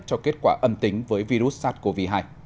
cho kết quả âm tính với virus sars cov hai